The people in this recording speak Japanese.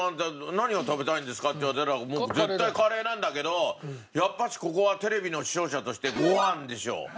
何が食べたいんですかって言われたら絶対カレーなんだけどやっぱしここはテレビの視聴者としてご飯でしょう。